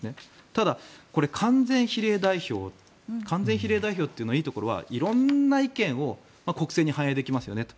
ただ、完全比例代表完全比例代表のいいところは色んな意見を国政に反映させられますよねと。